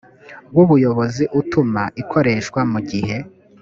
w ubuyobozi utuma ikoreshwa mu gihe